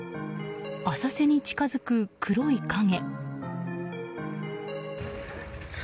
浅瀬に近づく黒い影。